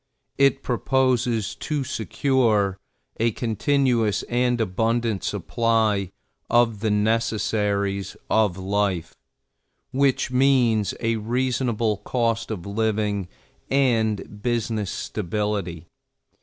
It proposes to secure a continuous and abundant supply of the necessaries of life, which means a reasonable cost of living and business stability.